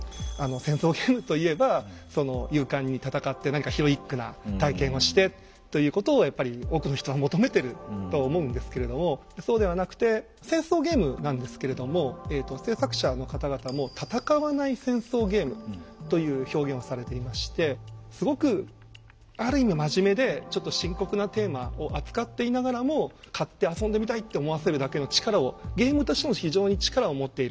「戦争ゲーム」といえば勇敢に戦って何かヒロイックな体験をしてということをやっぱり多くの人は求めてると思うんですけれどもそうではなくて戦争ゲームなんですけれども制作者の方々も「戦わない戦争ゲーム」という表現をされていましてすごくある意味真面目でちょっと深刻なテーマを扱っていながらも買って遊んでみたいと思わせるだけの力をゲームとしても非常に力を持っている。